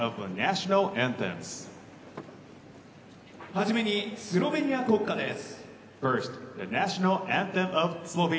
はじめにスロベニア国歌です。